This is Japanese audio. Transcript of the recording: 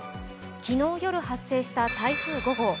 昨日夜、発生した台風５号。